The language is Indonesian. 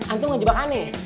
antum gak dibakar nih